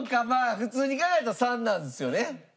まあ普通に考えたら３なんですよね。